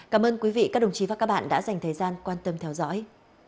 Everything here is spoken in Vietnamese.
các đồng chí và các bạn đã dành thời gian quan tâm theo dõi